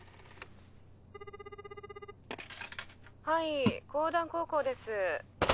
☎はい講談高校です